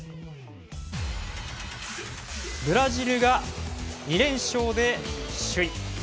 ブラジルが２連勝で首位。